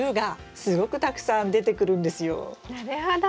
なるほど。